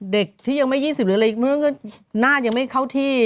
เด็กที่ไม่๒๐ศิลป์หน้ายังไม่เข้าที่